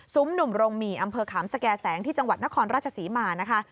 หนุ่มโรงหมี่อำเภอขามสแก่แสงที่จังหวัดนครราชศรีมานะคะ